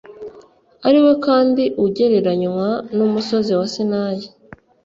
ari we kandi ugereranywa n umusozi wa Sinayi